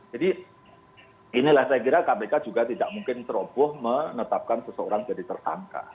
jadi inilah saya kira kpk juga tidak mungkin teroboh menetapkan seseorang jadi tersangka